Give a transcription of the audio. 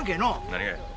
何がや。